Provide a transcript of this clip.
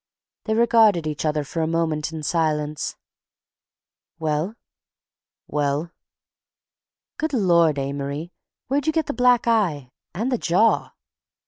They regarded each other for a moment in silence. "Well?" "Well?" "Good Lord, Amory, where'd you get the black eye—and the jaw?"